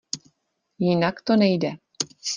Jinak to nejde.